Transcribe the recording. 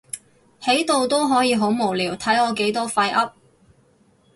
喺度都可以好無聊，睇我幾多廢噏